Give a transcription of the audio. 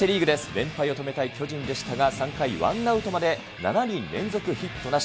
連敗を止めたい巨人でしたが、３回、ワンアウトまで７人連続ヒットなし。